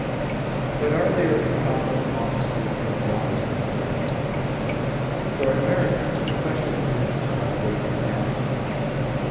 But are there incompetent officers in the gallant American navy? For an American, the question is of no grateful cast.